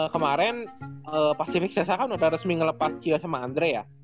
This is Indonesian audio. kemaren pacific csa kan udah resmi ngelepas cio sama andre ya